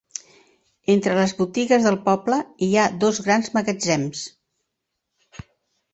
Entre les botigues del poble hi ha dos grans magatzems.